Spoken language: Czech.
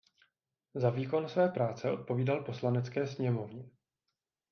Za výkon své práce odpovídal Poslanecké sněmovně.